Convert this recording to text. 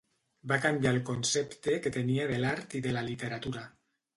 Va canviar el concepte que tenia de l'art i de la literatura.